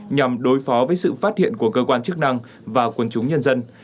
nhằm đối phó với sự phát hiện của cơ quan chức năng và quần chúng nhân dân